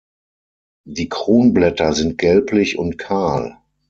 Die Kronblätter sind gelblich und kahl.